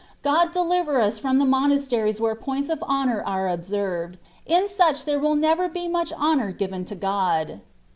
God deliver us from monasteries where points of honour are observed, in such there will never be much honour given to God.